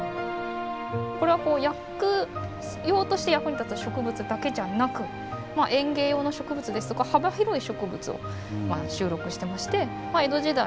これはこう薬用として役に立つ植物だけじゃなく園芸用の植物ですとか幅広い植物を収録してましてへえ。